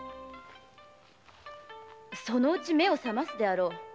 そのうち目を覚ますであろう。